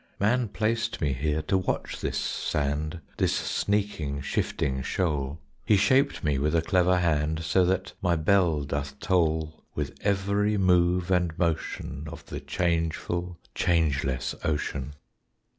Man placed me here to watch this sand This sneaking, shifting shoal He shaped me with a clever hand, So that my bell doth toll With every move and motion Of the changeful, changeless ocean.